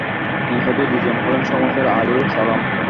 নিহত দুজন হলেন শমসের আলী ও সালাম।